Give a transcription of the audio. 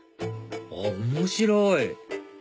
あっ面白い！